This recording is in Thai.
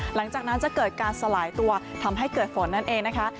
หลังจากนั้นจะเกิดการสลายตัวทำให้เกิดฝนนั่นเองนะคะ